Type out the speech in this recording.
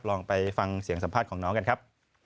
ลองไปฟังเสียงสัมภาษณ์ของน้องกันครับ